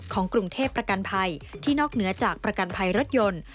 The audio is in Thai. กรุงเทพประกันภัยที่นอกเหนือจากประกันภัยรถยนต์